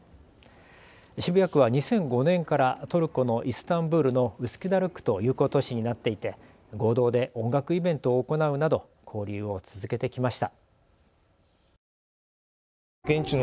渋谷区は２００５年からトルコのイスタンブールのウスキュダル区と友好都市になっていて合同で音楽イベントを行うなど交流を続けてきました。